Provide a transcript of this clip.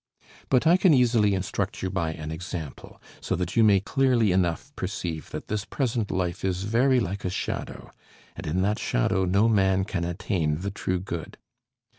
But I can easily instruct you by an example, so that you may clearly enough perceive that this present life is very like a shadow, and in that shadow no man can attain the true good.